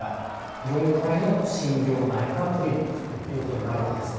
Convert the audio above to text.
４階の心療内科クリニックということになります。